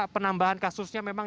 penambahan kasusnya memang